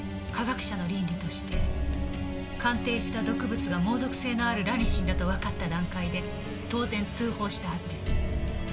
科学者の倫理として鑑定した毒物が猛毒性のあるラニシンだとわかった段階で当然通報したはずです。